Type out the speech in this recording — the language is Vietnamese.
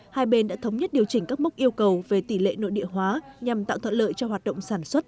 hai bên đã thống nhất điều chỉnh các mốc yêu cầu về tỷ lệ nội địa hóa nhằm tạo thuận lợi cho hoạt động sản xuất